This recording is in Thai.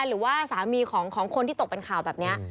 หรือว่าสามีของคนที่ตกเป็นข่าวแบบนี้